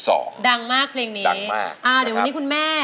อ้าวแต่วันนี้คุณแม่